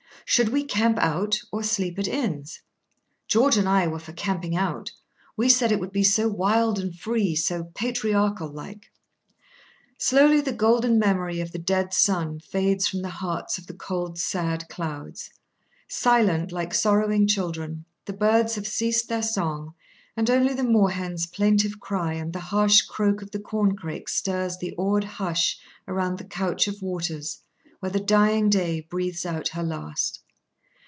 Should we "camp out" or sleep at inns? George and I were for camping out. We said it would be so wild and free, so patriarchal like. Slowly the golden memory of the dead sun fades from the hearts of the cold, sad clouds. Silent, like sorrowing children, the birds have ceased their song, and only the moorhen's plaintive cry and the harsh croak of the corncrake stirs the awed hush around the couch of waters, where the dying day breathes out her last.